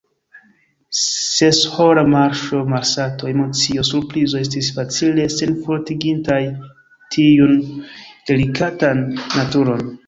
Seshora marŝo, malsato, emocio, surprizo, estis facile senfortigintaj tiun delikatan naturon.